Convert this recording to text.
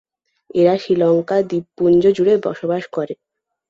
এরা শ্রীলঙ্কা দ্বীপপুঞ্জ জুড়ে বসবাস করে।